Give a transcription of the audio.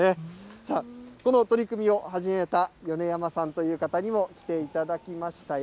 さあ、この取り組みを始めた米山さんという方にも来ていただきましたよ。